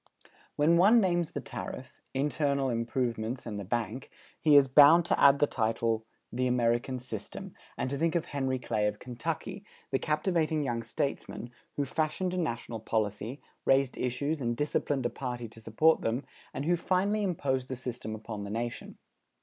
When one names the tariff, internal improvements and the bank, he is bound to add the title "The American System," and to think of Henry Clay of Kentucky, the captivating young statesman, who fashioned a national policy, raised issues and disciplined a party to support them and who finally imposed the system upon the nation.